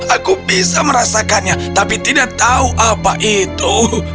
aku bisa merasakannya tapi tidak tahu apa itu